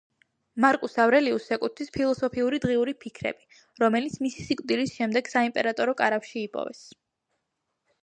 მარკუს ავრელიუსს ეკუთვნის ფილოსოფიური დღიური „ფიქრები“, რომელიც მისი სიკვდილის შემდეგ, საიმპერატორო კარავში იპოვეს.